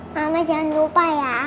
mama jangan lupa ya